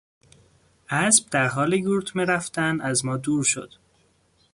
اسب در حال یورتمه رفتن از ما دور شد.